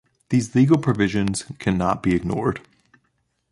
These legal provisions can not be ignored.